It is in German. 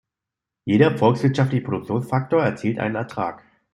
Jeder volkswirtschaftliche Produktionsfaktor erzielt einen Ertrag.